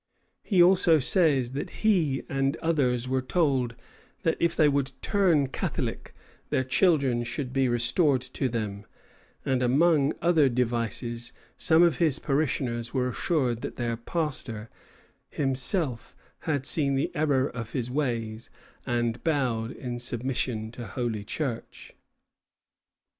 He also says that he and others were told that if they would turn Catholic their children should be restored to them; and among other devices, some of his parishioners were assured that their pastor himself had seen the error of his ways and bowed in submission to Holy Church.